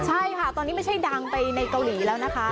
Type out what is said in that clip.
ใช่ค่ะตอนนี้ไม่ใช่ดังไปในเกาหลีแล้วนะคะ